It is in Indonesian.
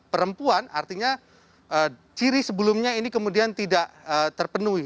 perempuan artinya ciri sebelumnya ini kemudian tidak terpenuhi